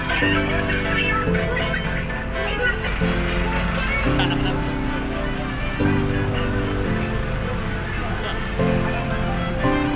jalan jalan men